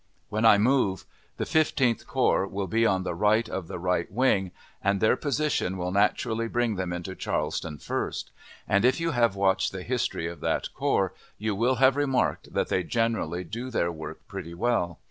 When I move, the Fifteenth Corps will be on the right of the right wing, and their position will naturally bring them into Charleston first; and, if you have watched the history of that corps, you will have remarked that they generally do their work pretty well.